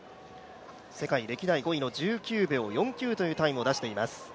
世界歴代５位の１９秒４９というタイムを出しています。